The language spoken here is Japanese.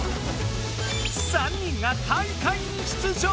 ３人が大会に出場！